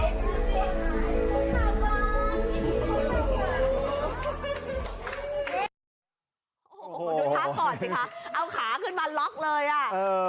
โอ้โหดูท่าก่อนสิคะเอาขาขึ้นมาล็อกเลยอ่ะ